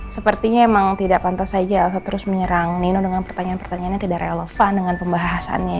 sepertinya emang tidak pantas saja terus menyerang nino dengan pertanyaan pertanyaan yang tidak relevan dengan pembahasannya